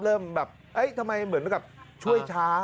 เริ่มแบบทำไมเหมือนกับช่วยช้าง